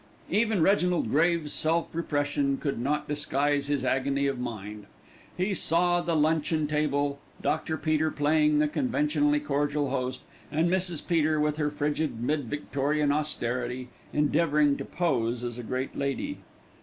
Even Reginald Graves's self repression could not disguise his agony of mind. He saw the luncheon table, Dr. Peter playing the conventionally cordial host, and Mrs. Peter, with her frigid mid Victorian austerity, endeavouring to pose as a great lady.